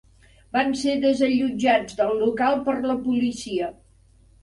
Van ser desallotjats del local per la policia.